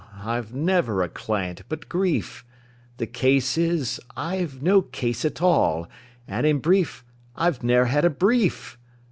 I've never a client but grief: The case is, I've no case at all, And in brief, I've ne'er had a brief!